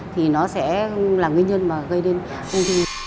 thì nó sẽ là nguyên nhân gây nên